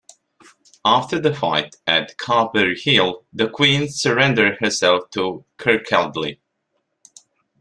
After the fight at Carberry Hill the queen surrendered herself to Kirkcaldy.